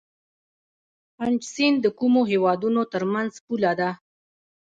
پنج سیند د کومو هیوادونو ترمنځ پوله ده؟